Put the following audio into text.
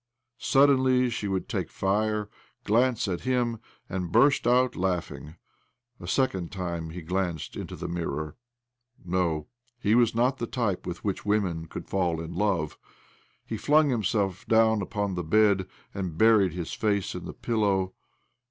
Suddenly she would take fire, glance at him, and— burst out laughing ! A second time he glanced into the mirror. No, he was not the type with which women could fall in love ! He flung himself down upon the bed, and buried his face in the pillow.